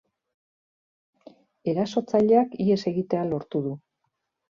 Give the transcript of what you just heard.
Erasotzaileak ihes egitea lortu du.